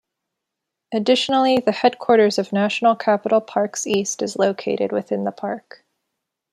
Additionally, the headquarters of National Capital Parks-East is located within the park.